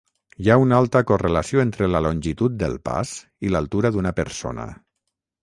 Hi ha una alta correlació entre la longitud del pas i l'altura d'una persona.